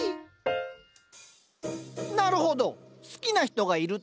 なるほど好きな人がいると。